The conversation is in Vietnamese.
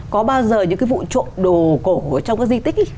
có bao giờ những cái vụ trộm đồ cổ trong các di tích ấy